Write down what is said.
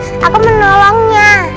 iya aku menolongnya